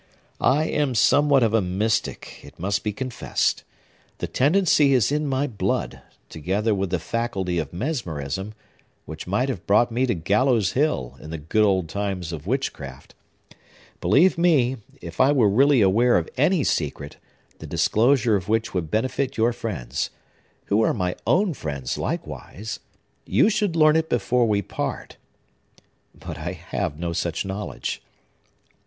"I am somewhat of a mystic, it must be confessed. The tendency is in my blood, together with the faculty of mesmerism, which might have brought me to Gallows Hill, in the good old times of witchcraft. Believe me, if I were really aware of any secret, the disclosure of which would benefit your friends,—who are my own friends, likewise,—you should learn it before we part. But I have no such knowledge."